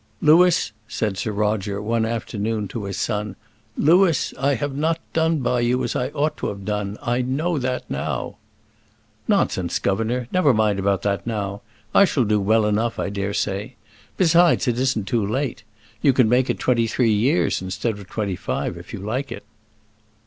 "Louis," said Sir Roger, one afternoon to his son; "Louis, I have not done by you as I ought to have done I know that now." "Nonsense, governor; never mind about that now; I shall do well enough, I dare say. Besides, it isn't too late; you can make it twenty three years instead of twenty five, if you like it."